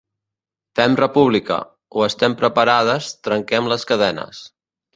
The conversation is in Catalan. Fem República’ o ‘Estem preparades, trenquem les cadenes’.